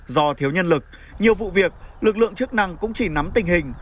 do thiếu nhân lực nhiều vụ việc lực lượng chức năng cũng chỉ nắm tình hình